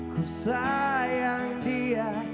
ku sayang dia